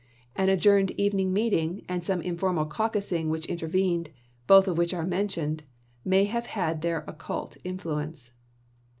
An adjourned evening meeting and some informal caucusing which intervened, both of which are mentioned, may have had their occult in fluence.